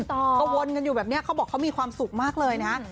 ก็วนกันอยู่แบบนี้เขาบอกเขามีความสุขมากเลยนะฮะ